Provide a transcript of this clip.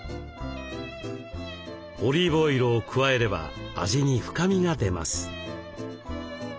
オリーブオイルを加えれば味に深みが出ます。